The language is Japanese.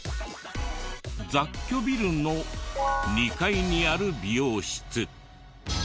雑居ビルの２階にある美容室。